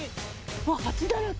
わっ、ハチだらけ。